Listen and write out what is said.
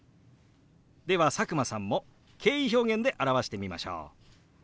では佐久間さんも敬意表現で表してみましょう。